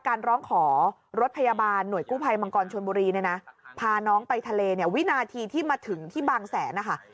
การร้องขอรถพยาบาลหน่วยกู้ภัยมังกรชนบุรีเนี่ยนะพาน้องไปทะเลเนี่ยวินาทีที่มาถึงที่บางแสนนะคะ